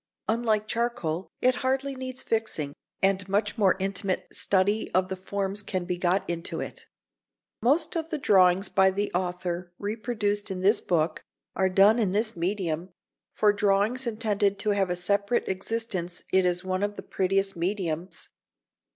Unlike charcoal, it hardly needs fixing, and much more intimate study of the forms can be got into it. Most of the drawings by the author reproduced in this book are done in this medium. For drawings intended to have a separate existence it is one of the prettiest mediums.